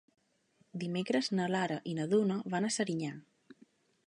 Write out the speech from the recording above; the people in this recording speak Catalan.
Dimecres na Lara i na Duna van a Serinyà.